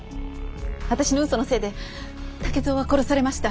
私の嘘のせいで武蔵は殺されました。